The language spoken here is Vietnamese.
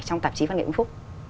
trong tạp chí văn nghệ vũng phúc